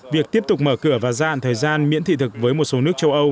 việc tiếp tục mở cửa và dạn thời gian miễn thị thực với một số nước châu âu